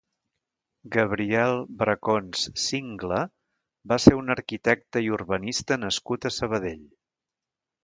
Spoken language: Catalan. Gabriel Bracons Singla va ser un arquitecte i urbanista nascut a Sabadell.